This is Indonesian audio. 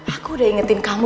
aku udah ingetin kamu